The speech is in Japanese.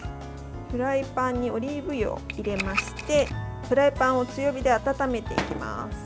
フライパンにオリーブ油を入れましてフライパンを強火で温めていきます。